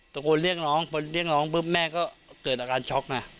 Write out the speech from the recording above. แต่คนเรียกน้องคนเรียกน้องแม่ก็เกิดอาการช็อคมา